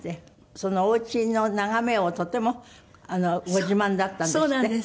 そのお家の眺めをとてもご自慢だったんですって？